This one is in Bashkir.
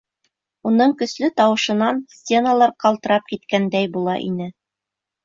Уның көслө тауышынан стеналар ҡалтырап киткәндәй була ине.